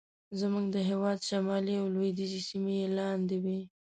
زموږ د هېواد شمالي او لوېدیځې سیمې یې لاندې وې.